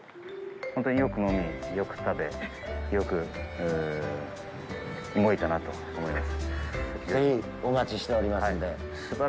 ほんとによく飲み、よく食べ、よく動いたなと思います。